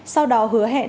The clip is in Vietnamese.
sau đó hứa hẹn